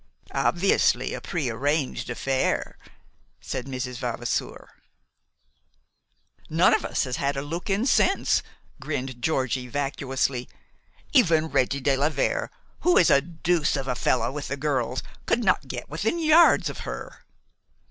"Obviously a prearranged affair," said Mrs. Vavasour. "None of us has had a look in since," grinned Georgie vacuously. "Even Reggie de la Vere, who is a deuce of a fellah with the girls, could not get within yards of her."